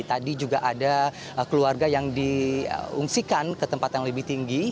tadi juga ada keluarga yang diungsikan ke tempat yang lebih tinggi